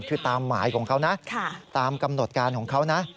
คือตามหมายของเขานะตามกำหนดการของเขานะ